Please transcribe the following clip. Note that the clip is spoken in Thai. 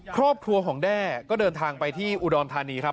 ครอบครัวของแด้ก็เดินทางไปที่อุดรธานีครับ